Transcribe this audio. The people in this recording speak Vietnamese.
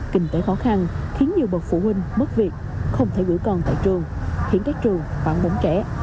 kinh tế khó khăn khiến nhiều bậc phụ huynh mất việc không thể gửi con tại trường khiến các trường khoảng bốn trẻ